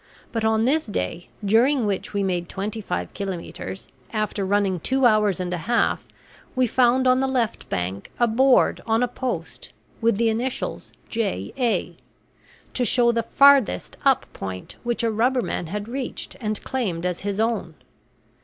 But on this day during which we made twenty five kilometres after running two hours and a half we found on the left bank a board on a post, with the initials J. A., to show the farthest up point which a rubberman had reached and claimed as his own.